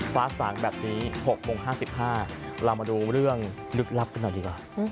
ฟ้าสางแบบนี้๖โมง๕๕เรามาดูเรื่องลึกลับกันหน่อยดีกว่า